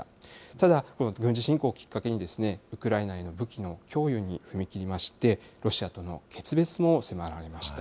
ただ、この軍事侵攻をきっかけに、ウクライナへの武器の供与に踏み切りまして、ロシアとの決別も迫られました。